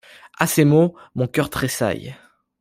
À ces mots, mon cœur tressaille.